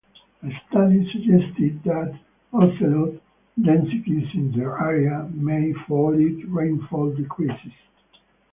A study suggested that ocelot densities in an area may fall if rainfall decreases.